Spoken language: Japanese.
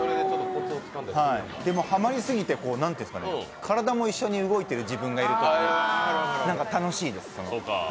でも、ハマりすぎて、体も一緒に動いてる自分がいるので楽しいです。